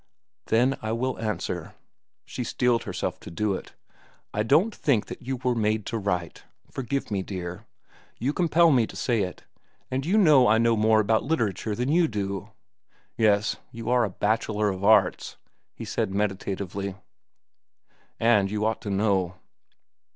"Then I will answer." She steeled herself to do it. "I don't think you were made to write. Forgive me, dear. You compel me to say it; and you know I know more about literature than you do." "Yes, you are a Bachelor of Arts," he said meditatively; "and you ought to know."